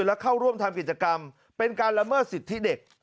และเข้าร่วมทำกิจกรรมเป็นการละเมิดสิทธิเด็ก